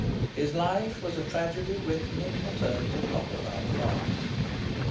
His life was a tragedy written in the terms of knockabout farce.